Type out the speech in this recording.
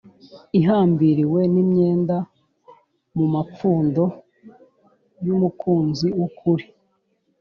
ihambiriwe nimyenda mumapfundo yumukunzi wukuri.